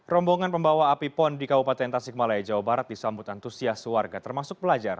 rombongan pembawa api pon di kabupaten tasikmalaya jawa barat disambut antusias warga termasuk pelajar